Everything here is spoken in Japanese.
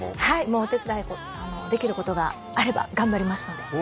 お手伝いできることがあれば頑張ります。